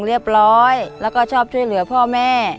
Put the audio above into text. เรียบร้อยแล้วก็ชอบช่วยเหลือพ่อแม่